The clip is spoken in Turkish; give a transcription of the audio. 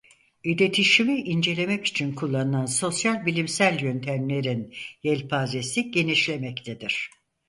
İletişimi incelemek için kullanılan sosyal bilimsel yöntemlerin yelpazesi genişlemektedir.